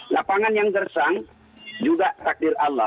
lapangan yang gersang juga takdir allah